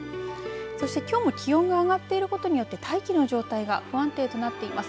そしてきょうも気温が上がってることによって大気の状態が不安定となっています。